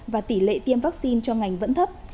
và tỷ lệ tiêm vaccine cho ngành vẫn thấp